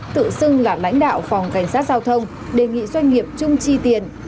tự xưng là lãnh đạo phòng cảnh sát giao thông đề nghị doanh nghiệp chung chi tiền